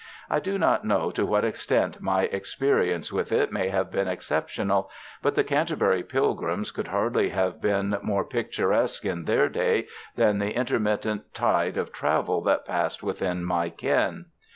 I do not know to what extent my experi ence with it may have been exceptional; but the Canterbury pilgrims could hardly have been more picturesque in their day than the intermittent tide of travel that passed within my ken.